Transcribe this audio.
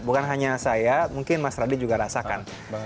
bukan hanya saya mungkin mas radi juga rasakan